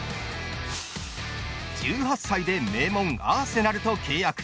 １８歳で名門アーセナルと契約。